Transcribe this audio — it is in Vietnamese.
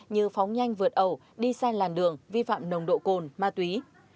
như phóng nhanh vượt ẩu đi sai làn đường vi phạm nồng độ cồn ma túy